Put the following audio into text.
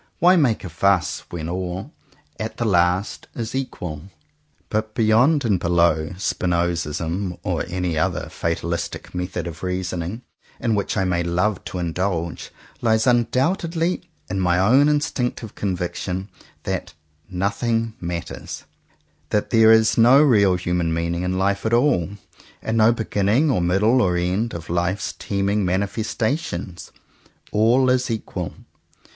Why make a fuss, when all, at the last, is equal? But beyond and below Spinozism, or any Other fatalistic method of reasoning in which I may love to indulge, lies undoubt edly in my own instinctive conviction that "nothing matters," that there is no real human meaning in life at all, and no be ginning or middle or end of life's teeming manifestations. All is equal.